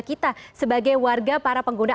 kita sebagai warga para pengguna